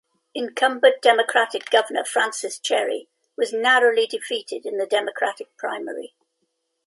Incumbent Democratic Governor Francis Cherry was narrowly defeated in the Democratic primary.